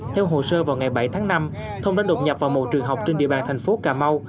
theo hồ sơ vào ngày bảy tháng năm thông đã đột nhập vào một trường học trên địa bàn thành phố cà mau